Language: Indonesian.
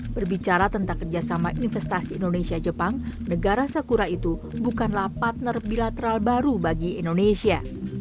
berbicara tentang kerjasama investasi indonesia jepang negara sakura itu bukanlah partner bilateral baru bagi indonesia